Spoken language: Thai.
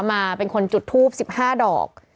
มาเป็นคนจุดทูป๑๕ดอก